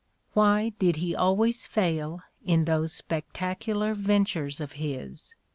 Why did he always fail in those spectacular ventures of his?